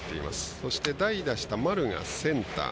そして代打した丸がセンター。